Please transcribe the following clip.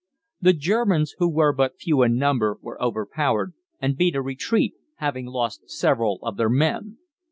The Germans, who were but few in number, were overpowered, and beat a retreat, having lost several of their men.